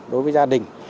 đối với gia đình